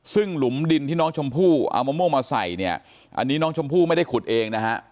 ซึ่งหลุมดินที่น้องชมพู่เอามะม่วงมาใส่เนี่ยอันนี้น้องชมพู่ไม่ได้ขุดเองนะฮะ